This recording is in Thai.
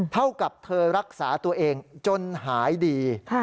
เท่ากับเธอรักษาตัวเองจนหายดี